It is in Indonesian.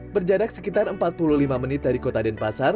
berjarak sekitar empat puluh lima menit dari kota denpasar